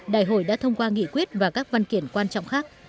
đại hội đã thông qua nghị quyết và các văn kiện quan trọng khác